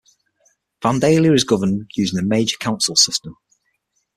Vandalia is governed using the mayor council system.